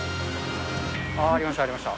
ありました、ありました。